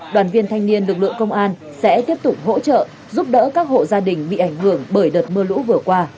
đoàn viên thanh niên lực lượng công an sẽ tiếp tục hỗ trợ giúp đỡ các hộ gia đình bị ảnh hưởng bởi đợt mưa lũ vừa qua